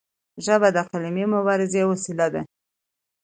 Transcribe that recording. ژبه د قلمي مبارزې وسیله ده.